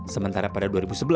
sementara pada dua ribu sebelas